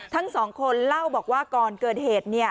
ทั้งสองคนเล่าบอกว่าก่อนเกิดเหตุ